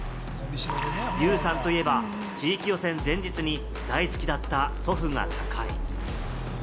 ユウさんといえば、地域予選前日に大好きだった祖父が他界。